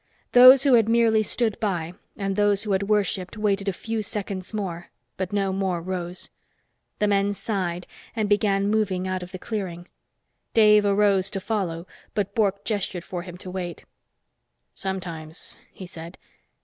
Those who had merely stood by and those who had worshipped waited a few seconds more, but no more rose. The men sighed and began moving out of the clearing. Dave arose to follow, but Bork gestured for him to wait. "Sometimes " he said.